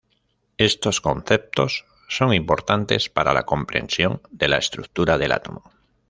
Estos conceptos son importantes para la comprensión de la estructura del átomo.